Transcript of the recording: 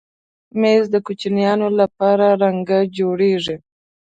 مېز د کوچنیانو لپاره رنګه جوړېږي.